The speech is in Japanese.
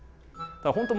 本当